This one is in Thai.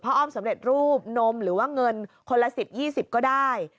อ้อมสำเร็จรูปนมหรือว่าเงินคนละ๑๐๒๐ก็ได้